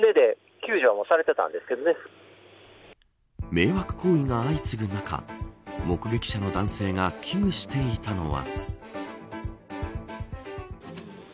迷惑行為が相次ぐ中目撃者の男性が危惧していたのは。